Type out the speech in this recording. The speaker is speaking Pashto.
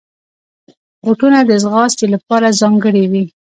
بوټونه د ځغاستې لپاره ځانګړي وي.